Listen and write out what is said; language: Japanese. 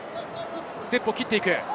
ステップを切っていく。